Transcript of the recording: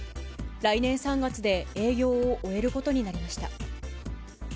来年３月で営業を終えることになりました。